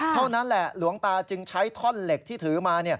เท่านั้นแหละหลวงตาจึงใช้ท่อนเหล็กที่ถือมา